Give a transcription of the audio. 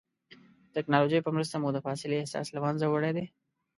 د ټکنالوجۍ په مرسته مو د فاصلې احساس له منځه وړی دی.